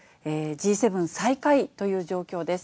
Ｇ７最下位という状況です。